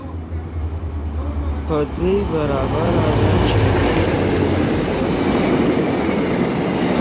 په دوى برابره ده چي وئې وېروې يا ئې ونه وېروې